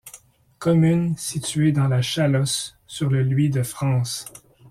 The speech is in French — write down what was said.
Commune située dans la Chalosse sur le Luy de France.